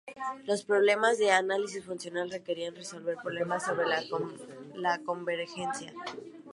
Los problemas de Análisis funcional requerían resolver problemas sobre la convergencia.